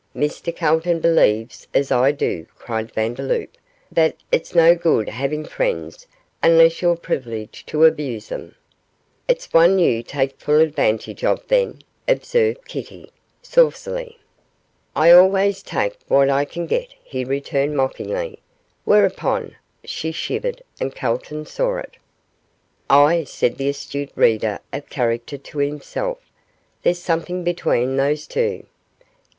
Mr Calton believes as I do,' cried Vandeloup, 'that it's no good having friends unless you're privileged to abuse them.' 'It's one you take full advantage of, then,' observed Kitty, saucily. 'I always take what I can get,' he returned, mockingly; whereon she shivered, and Calton saw it. 'Ah!' said that astute reader of character to himself, 'there's something between those two. 'Gad!